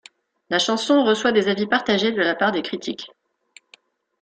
La chanson reçoit des avis partagés de la part des critiques.